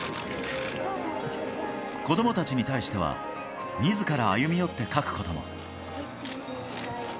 子供たちに対しては自ら歩み寄って書くことも。